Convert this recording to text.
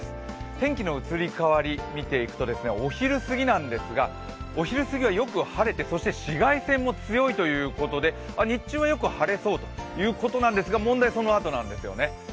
天気の移り変わり、見ていくとお昼過ぎはよく晴れて、紫外線も強いということで、日中はよく晴れそうということなんですが問題はそのあとなんですよね